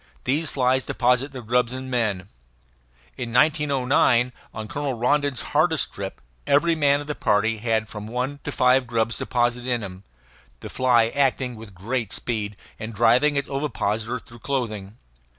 These flies deposit their grubs in men. In 1909, on Colonel Rondon's hardest trip, every man of the party had from one to five grubs deposited in him, the fly acting with great speed, and driving its ovipositor through clothing.